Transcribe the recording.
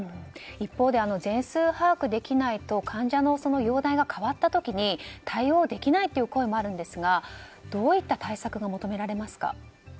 一方で全数把握できないと患者の容体が変わった時に対応できないという声もあるんですがどういった対策が求められますか。